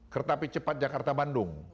kertapi cepat jakarta bandung